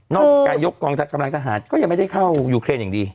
จากการยกกองกำลังทหารก็ยังไม่ได้เข้ายูเครนอย่างดี